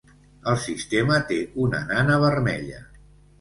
El sistema té una nana vermella.